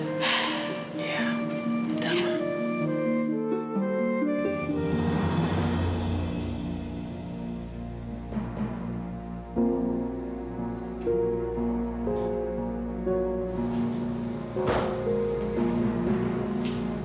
eh mama yuk